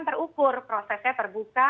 terukur prosesnya terbuka